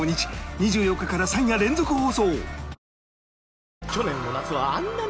２４日から３夜連続放送！